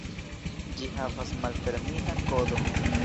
Ĝi havas malfermitan kodon.